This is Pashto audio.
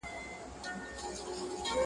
د سندرو سره غبرګي وايي ساندي،